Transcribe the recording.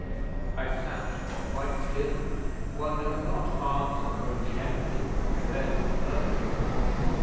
'I sat quite still. One does not answer a General who wears the Purple.